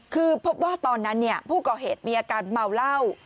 คือพบว่าตอนนั้นผู้ก่อเหตุมีอาการเมาเหล้า